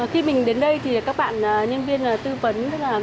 khi mình đến đây thì các bạn nhân viên tư vấn